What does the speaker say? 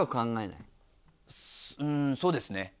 うんそうですね。